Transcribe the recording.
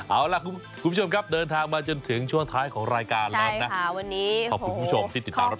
เอาล่ะคุณคุณผู้ชมครับเดินทางมาจนถึงช่วงท้ายของรายการแล้วนะใช่ค่ะวันนี้ขอบคุณคุณผู้ชมที่ติดตามรับชม